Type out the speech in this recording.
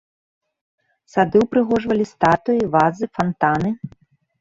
Сады ўпрыгожвалі статуі, вазы, фантаны.